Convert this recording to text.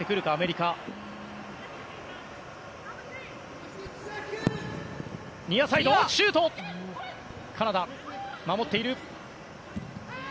カナダ守っている。